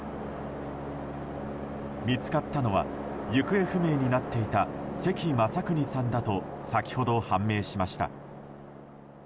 見つかったのは行方不明になっていたセキ・マサクニさんだと先ほど判明しました。